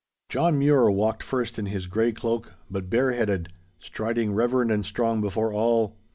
John Mure walked first in his grey cloak, but bareheaded, striding reverend and strong before all.